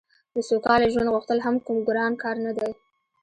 د سوکاله ژوند غوښتل هم کوم ګران کار نه دی